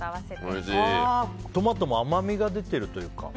トマトも甘みが出ているというか。